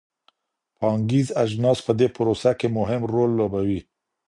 پانګیز اجناس په دې پروسه کي مهم رول لوبوي.